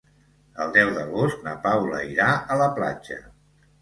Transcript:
El deu d'agost na Paula irà a la platja.